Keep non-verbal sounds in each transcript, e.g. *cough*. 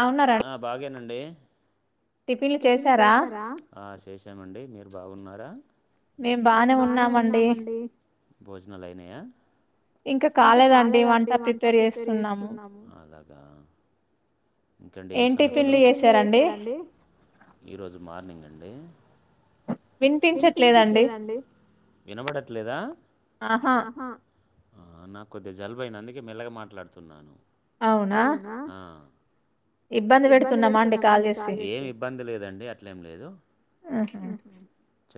చెప్ ఆ ఆ బాగేనండి టీఫిన్లు చేసారా ఆ చేసామండి మీరు బాగున్నారా మేమ్ బానే ఉన్నామండి భోజనాలయినాయా ఇంకా కాలేదండి వంట ప్రిపేర్ చేస్తున్నాము ఏం టిఫిన్లు చేశారండి విన్పించట్లేదండి వినబడట్లేదా ఆహా ఆ నాకు కొద్దిగా జలుబయింది అందుకే మెల్లగా మాట్లాడుతున్నాను అవునా ఇబ్బంది పెడుతున్నామా అండి కాల్ చేసి ఆహ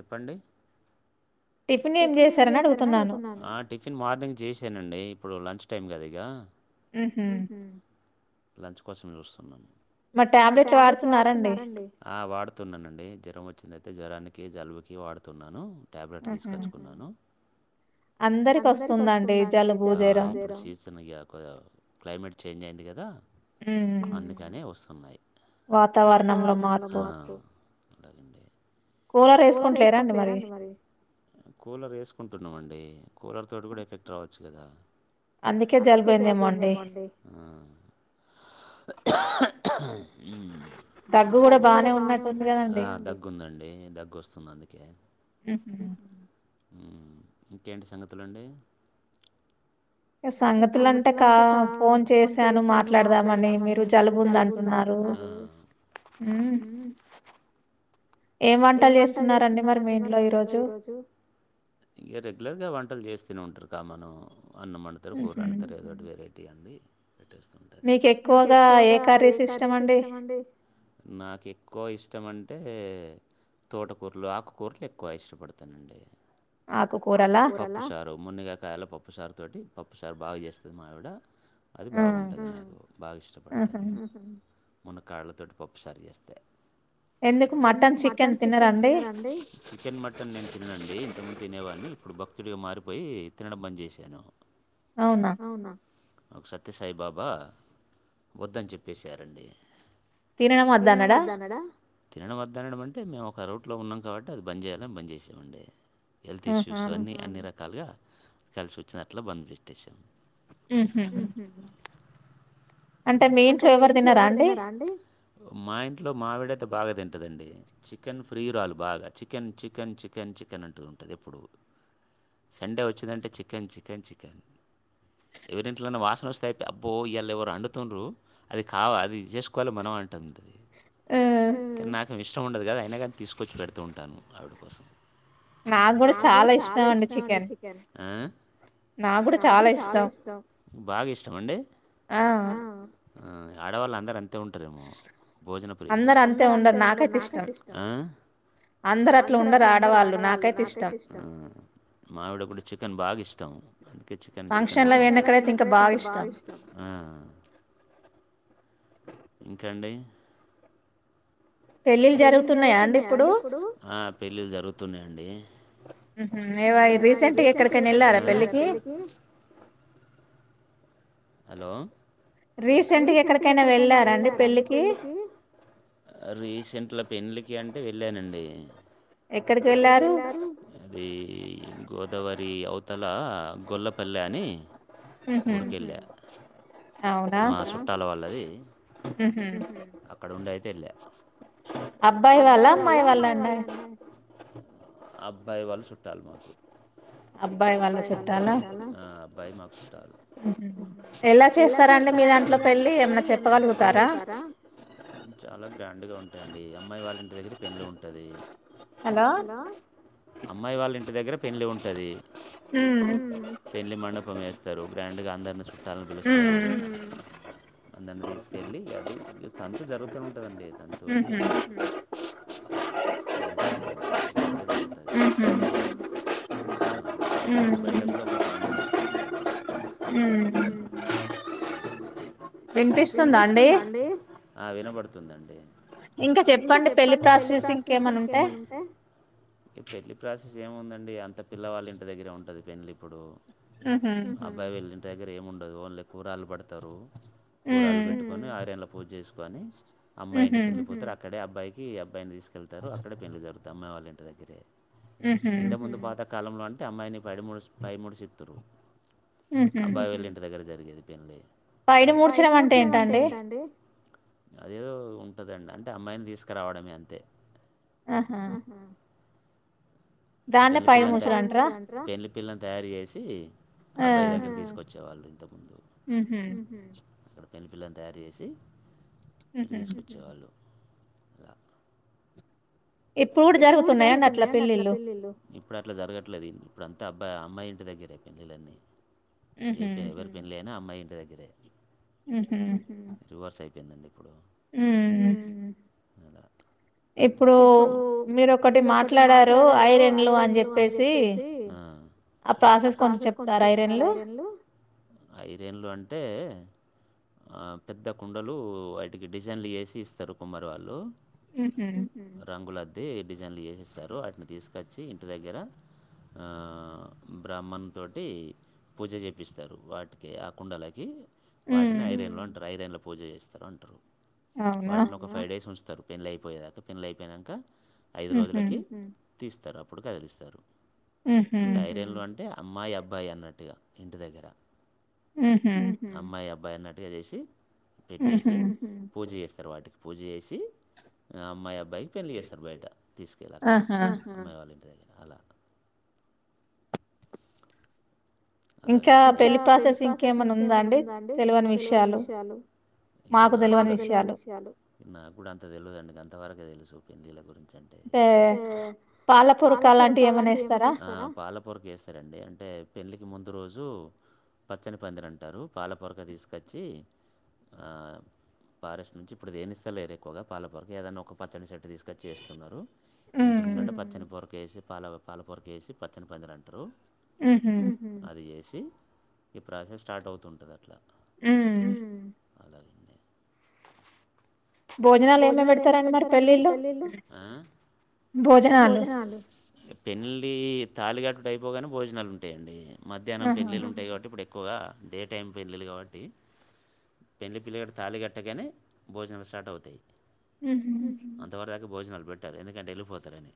ప్పండి ఆ టిఫిన్ మార్నింగ్ చేశానండ్ డి ఇప్పుడు లంచ్ టైమ్ గదా ఇగ మ్మ్ హ్మ్ లంచ్ కోసం చూస్తున్నం ఆ వాడు తున్నానండి జ్వరం వచ్చిందయితే జ్వరానికి జలుబుకి వాడుతున్నాను టాబ్లెట్ తీసుకచ్చుకున్నాను అందరికొస్తుందండి జలుబు జ్వరం ఎదా అందుకనే వొస్తున్నాయి వాతావరణంలో మార్పు కూలరేసుకుంటలేరండి మరి కూలర్ తోటి గూడ ఎఫెక్ట్ రావచ్చు గదా అందుకే జలుబయిందేమో అండి మ్మ్ దగ్గు గూడా బానే ఉన్నట్టుందిగాండి మ్మ్ ఇంకేంటి సంగతులండి ఇ సంగతులంటే కా ఫోన్ చేసాను మాట్లాడదా మాట్లాడదామని మీరు జలుబుందంటున్నారు మ్మ్ ఏం వంటల్ చేస్తున్నరండి మరి మీ ఇంట్లో ఈరోజు ఇగ రెగ్యులర్ గా వంటల్ చేస్తూనే ఉంట్రు కామను అన్నం వండుతారు కూర వండుతారు ఏదోటి వెరైటీగ అండి మీకు ఎక్కువగా ఏ కర్రీస్ ఇష్టమండి నాకు ఎక్కువ ఇష్టం అన్ టే తోటకూరలు ఆకుకూరలు ఎక్కువ ఇష్టపడతానండి పప్పుశారు మునేగకాయల పప్పుశారు తోటి పప్ పప్పుశార్ బాగా చేస్తది మావిడ అది బాగుంటది బాగిష్టపడతాను మునక్కాడలతోటి పప్పుశార్ చేేస్తే ఎందుకు మటన్ చికెన్ మటన్ నేన్ తిననండి ఇంతక్ ముంద్ తినేవాన్ని ఇప్పుడు భక్తుడిగా మారిప్ పోయి తినడం బంజేశాను అవున మాక్ సత్యసాయిబాబా వద్దన్ చెప్పెసారండి తినడమద్దన్నడా తినడం వద్దనడం అంటే మేమోక రూట్లో ఉన్నాం కాబట్టి అది బంజేయాలని బంద్ చేసామండి హెల్త్ ఇష్యూస్ అన్ని అన్ని రకాలుగా కలిసోచ్చిందట్లా బంద్ పెట్టెసాం మ్మ్ హ్మ్ మా ఇంట్లో మావిడయితే బాగా తిన్ టదండి చికెన్ ఫ్రీయురాలు బాగా చికెన్ చికెన్ చికెన్ చికెన్ అంటు ఉంటది ఎప్పుడు సండే వొచ్చిందంటే చికెన్ చికెన్ చికెన్ ఎవరింట్లనన్నా వాసనోస్తే అయిపాయే అబ్బో ఇయాళ్ళెవరో అండుతుండ్రు అది కావా అద్ చేసుకోవాలే మనం అం అంటుంది నాకు ఇష్టం ఉండదు కదా అయినా కానీ తీసుకొచ్చి పెడుతూ ఉంటాను మా ఆవిడ కోసం నాకు కూడా చాలా ఇష్టం అండి చికెన్ ఆ! నాగూడా, చాలా ఇష్టం. బాగ ఇష్టం అండి. ఆ! ఆ ఆడవాళ్లు అందరు అంతే ఉంటారేమో? భోజన ప్రయులు. అందరు అంటే. స్తే ఉండర్? నాక్ అయితే ఇష్టం. ఆహ! అందరు అట్లా ఉండరు ఆడవాళ్లు, నాకైతే ఇష్టం. ఆ. మావిడ గూడా చికెన్ బాగా ఇష్టం. ష్టం, అందుకే చికెన్ చికెన్ అని అంటుంటది. ఆ అ. ఇంకాండి? పెళ్లిళ్లు జరుగుతున్నాయా అండి? ఇప్పుడు పెళ్లిళ్లు జరుగుతున్నాయాండి. ఊహు, ఏ వాయి. రీసెంట్గా ఎక్కడికైనా వెళ్లారా పెళ్లికి? హలో. రీసెంట్గా ఎక్కడికైనా, వెళ్లారండి పెళ్లికి? ఆ రీసెంట్ల పెన్లకి అంటే? వెళ్ళానండి. ఎక్కడికి వెళ్లిరూ? అది గోదావరి అవుతల. అలా, గొల్లపల్ల అని ఊరికెళ్ల. మా చుట్టాల వాళ్లది. అక్కడ ఉం. యితే యేలా. అబ్బాయి వాళ్ల, అమ్మాయి వాళ్ల అండి? అబ్బాయి వాళ్ల, చుట్టాలి మాకు. అబ్బాయి వాళ్ల చుట్టాలా? అబ్బాయి మాకు చుట్టాల. ఎలా చేస్తారండి మీ దాంట్లోకి వెళ్ల? ఏమన్నా చెప్పగలుగుతారా. చాలా గ్రాండ్గా ఉంటాయండి. అమ్మాయి వాళ్ల ఇంటి దగ్గర, పెళ్ల ఉంటుంది. హలో! అమ్మాయి వాళ్ల ఇంటి దగ్గర పెండ్లి ఉంటది. హ్మ్, పెళ్లి మండపం వేస్తారు. బ్రాండ్గా అందరిని, చుట్టాలని పిలుస్తారు. హ్మ్. అందర్నీ తీసుకెళ్లి, అది తంతు జరుగుతూ ఉంటదండి. తంతు అంతా. *unintelligible* *unintelligible* ఊహు *unintelligible* ఊహు ముందే నా వస్తుంది. అదే, అదే. వినిపిస్తుందా అండి? ఆ వినపడుతోంది అండి. ఇంకా చెప్పండి, ప్రాసెస్ ఇంకేమైనా ఉంటే? పెళ్లి ప్రాసెస్. ప్రాసెస్ ఏముందండి. అంత పిల్లవాళ్ల ఇంటి దగ్గర ఉంటది పెండ్లి ఇప్పుడు. అబ్బాయి వెళ్లిన. ఏముండదు ఓన్లీ కూరలు పడతారు, కూరలు పెట్టుకొని ఆర్యన్లో పూజ జేసుకొని. అమ్మాయి, ఇంటికి వెళ్లి పోతారు. అక్కడే అబ్బాయికి, అబ్బయిని తీసుకెళ్తారు అక్కడే పెండ్లి జరుగుత. అమ్మాయి వాళ్ల ఇంటి దగ్గర. ఇంతకు ముందు పాత కాలంలో అంటే, అమ్మాయిని పైడాముడ్స్ పైముడ్స్ సిత్తురు. అబ్బాయి, వీళ్ల ఇంటి దగ్గర జరిగే పెళ్లి. పైడి మూడ్చడం, అంటే ఏంటండి? అదేదో ఉంటుందండి? అంటే అమ్మాయిని తీసుకురావడమే. అంతే. ఊహు. పెళ్లి పిల్లలను తయా, పెళ్లి పిల్లలను తయారు జేసీ. అబ్బాయి దగ్గర తీసుకొచ్చేవాళ్లు. ఇంత ముందు అక్కడ పెళ్లి పిల్లలను తయారు చేసి. ఇటు, తీసుకొచ్చేవాళ్లు అలా. ఇప్పుడు గూడా జరుగుతున్నాయండి, అట్లా పెళ్లిళ్లు? ఇప్పుడు అట్లా జరగట్లేదు. ఇప్పుడు అంతా అబ్బాయి, అమ్మాయి ఇంటి దగ్గరే పెళ్లిళ్లన్నీ. ఏ పె, ఎవరి పెండ్లి అయినా, అమ్మాయి ఇంటి దగ్గరే. రివర్స్ అయిపోయిందండి. హ్మ్. అలా. ఇప్పుడో. ఒ మీరు ఒకటి మాట్లాడారు, ఐరన్లు అని చెప్పేసి. ఆ ప్రాసెస్ కొంచం చెప్తారు ఐరెన్లు ఐరెన్లు అంటే ఆ పెద్ద కుండలు వాటికి డిజైన్లు ఏసి ఇస్తారు కుమరి వాళ్ళు రంగులద్ది డిజైన్లు చేసిస్తారు వాటిని తీసుకొచ్చి ఇంటి దగ్గర ఆ బ్రాహ్మణు తోటి పూజ చేపిస్తారు వాటికి ఆ కుండలకి వాటిని ఐరన్ లో అంటారు ఐరన్లో పూజ చేస్తారు అంటారు వాటిని ఒక ఫైవ్ డేస్ ఉంచు తరు పెండ్లయిపోయేదాక పెండ్లయిపోయినంక ఐదు రోజులకి తీస్తారు అప్పుడు కదిలిస్తారు డైరన్లు అంటే అమ్మాయి అబ్బాయి అన్నట్టుగా ఇంటి దగ్గర అమ్మాయి అ బాయన్నట్టుగా చేసి పెట్టేసి పూజ చేస్తారు వాటికి పూజ చేసి ఆ అమ్మాయి అబ్బాయి పెండ్లి చేస్తారు బయట తీసుకెళ్ళి అక్కడ ఇంకా పెళ్లి ప్రాసెస్ ఇంకేమన్నా ఉందా అండి తెలివని విషయాలు మాకు తెలవని విషయాలు టే పాల పొరక అలాంటివి ఏమన్న ఏస్తారా పొరక ఏస్తారండి అంటే పెళ్లి ముందు రోజు పచ్చని పందిరంటారు పాల పొరక తీసుకొచ్చి ఫారెస్ట్ నుంచి ఇప్పుడు దేనిస్త లేరు ఎక్కువగా పాలపరకు ఏదనా ఒక పచ్చని సెట్టు తీసుకొచ్చేస్తున్నారు ఇంటి ముంగట పచ్చని పొరక ఏసి పాల పాల పొరక వేసి పచ్చని పందిరంటరు మ్మ్ హ్మ్ ది ఈ ప్రాసెస్ స్టార్ట్ అవుతుంటదట్లా భోజనాలు ఏమన్న పెడతారండి మరి పెళ్ళిళ్ళు భోజనాలు తాలిగట్టుడు అయిపోగానే భోజనాలు ఉంటాయండి మధ్యానం పెళ్ళిలుంటాయి కాట్టిప్పుడు ఎక్ క్కువగా డే టైం పెళ్ళిలు కాబట్టి పెండ్లి పిల్లగాడు తాళి కట్టగానే భోజనలు స్టార్ట్ అవుతాయి అంతవరదాకా భోజనాలు పెట్టారు ఎందుకంటే ఎళ్ళిపోతారని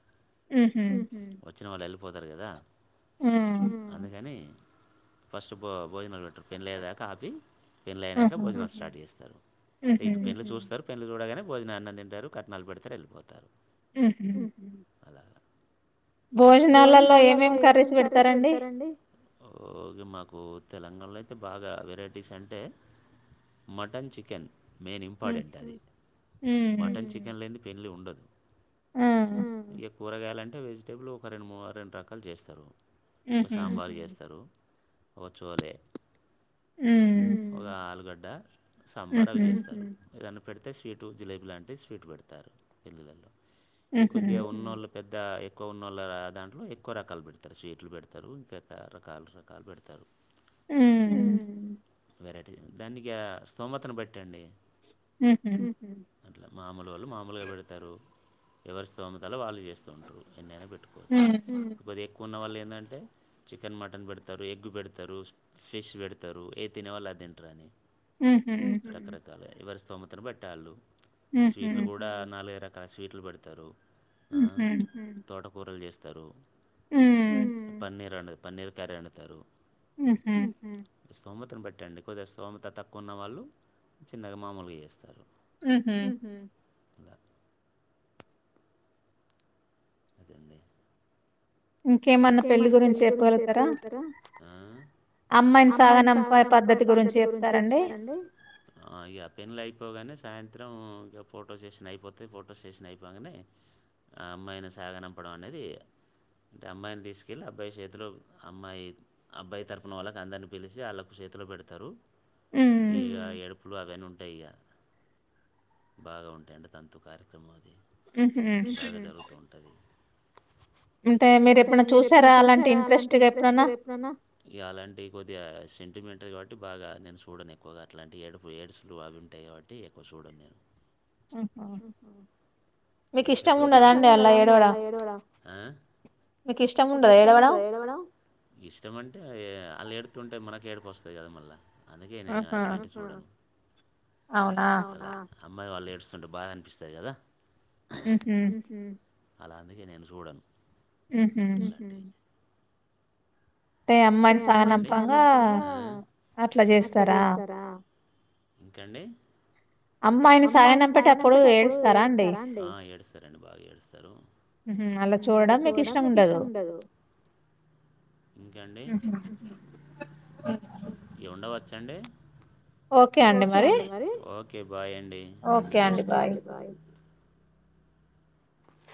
వచ్చిన వాళ్ళు ఎళ్ళిపోతరు కదా అందుకని ఫస్ట్ బ భోజనాలు పెట్టరు పెండ్లయ్యే దాక ఆపి పెండ్లయినంక భోజనలు స్టార్ట్ చేస్తారు ఇటు పెండ్లు చూస్తారు పెండ్లి చూడగానే భోజనా ఆన్నం తింటారు కట్నాలు పెడతారు వెళ్ళిపోతారు భోజనాలలో ఏమేం కర్రీస్ పెడతారు పెడతారండి ఓగి మాకు తెలంగాణలో అయితే బాగా వెరైటీస్ అంటే మటన్ చికెన్ మెయిన్ ఇంపార్టెంట్ అది మటన్ చికెన్ లేంది పెళ్ళి ఉండదు ఇగ కూరగాయలంటే వెజిటేబుల్ ఒక రెండు మూ రెండు రకాలు చేస్తరు ఒక సాంబారు చేస్తారు ఒక చోలే ఒక ఆలుగడ్డ సాంబార్ అవి చేస్తారు ఏదన్న పెడితే స్వీట్ జిలేబీ లాంటివి స్వీట్ పెడతారు పెళ్లిలలో ఈ కొద్దిగా ఉన్నోళ్ళ పెద్ ద ఎక్కువ ఉన్నోళ్ల దాంట్లో ఎక్కువ రకాలు పెడతారు స్వీట్ బట్లు పెడతారు పెద్ద రకాల రకాలు పెడతారు మ్మ్ వెరైటీలు దానికి స్తోమతను బట్టండి మ్మ్ హ్మ్ అట్లా మామలోళ్ళు మామములుగా పెడతారు ఎవరి స్తోమతలో వాళ్ళు చేస్తూ ఉంటారు ఎన్నయినా పె టుకోచ్చు కొద్దిగెకున్నవాళ్ళే ఏందంటే చికెన్ మటన్ పెడతరు ఎగ్ పెడతరు ఫిష్ పెడతరు ఏ తినేవాళ్ళు అది తింటరని రకరకాల ఎవరి స్తోమతను బట్టాళ్ళు స్వీట్లు కూడా నాలుగైదు ర అ స్వీట్లు పెడతారు ఆ తోటకూరలు చేస్తారు ఉ పన్నీర్ అ పన్నీర్ కర్రీ అండుతారు ఆహా సోమతను పెట్టండి కొద్దిగా సోమత తక్కువ ఉన్న వాళ్ళు చిన్నగా మామూలుగా చేస్తారు ఉహు ద అది అండి ఇంకేమన్నా పెళ్లిి గురించి చెప్పుగలుగుతారా ఉ అమ్మాయిని సగనంపై పద్ధతి గురించి చెప్తారండి ఆ ఇగ పెండ్లై పోగానే సాయంత్రం ఇంకా ఫొటో శేషన్ అయిపోతే ఫొటో శేషన్ అయిపోగానే ఆ అమ్మాయిని సాగనంపడం అనేది అంటే అమ్మాయిని తీసుకెళ్లి అబ్బాయి చేతిలో అమ్మాయి అబ్బాయి తరపున వాళ్ళనీ అందరినీ పిలిసి వాళ్ళకు చేతిలో పెడతారు ఇగ ఎడుపులు అవన్న ఉంట టయిగ బాగా ఉంటాయి అండి దాంతో కార్యక్రమలు ఉ బాగా జరుగుతూ ఉంటది అంటే మీరు ఎప్పుడ చూసారా అలాంటి ఇంట్రెస్ట్ ఎప్పుడనా ఇగ అలాంటివి కొద్ది సెమెంట్ అంటంది కాబట్టి బాగా నేను చూడను ఎక్కువగా అట్లాంటివి ఏడుపు ఏడ్సుడు అవి ఉంటాయి కాబట్టి ఎక్కువ చూడను నేను ఉహు ఏడ్చే ప్రోగ్రాం మీకి ఇష్టం ఉండదా అండి అలా ఏడవడం ఆ మీకి ఇష్టం ఉండద ఏడవడం ఇష్ట అంటే ఆ ఏ వళ్ళ ఏడుతుంటే మనకి ఏడుపు వస్తుది కదా మళ్ళీ అందుకే నేను అట్లాంటి చూడను అవునా అమ్మాయి వాళ్ళు ఏడుస్తుంటే బాధ అనిపిస్తాంది కదా ఉహు అలా అందుకే నేను చూడను ఉహు అలాంటివి టే అమ్మాయిని సగనంపంగా అట్లా చేస్తారా ఇంకా అండి అమ్మాయిని సాగనంపేటప్పుడు ఏడుస్తారా అండి ఆ ఏస్తారండి బాగా ఏస్తారు ఉహు అలా చూడడం మీకి ఇష్టం ఉండదు ఇంకా అండి ఉహు ఇగ ఉండవచ్చా అండి ఓకే అండి మరి బాయ్ అండి ఆల్ ది బెస్ట్ ఓకే అండి బాయ్